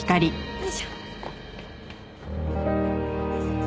よいしょ。